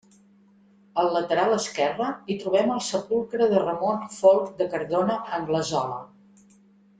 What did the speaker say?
Al lateral esquerre hi trobem el Sepulcre de Ramon Folc de Cardona-Anglesola.